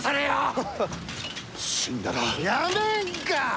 やめんか！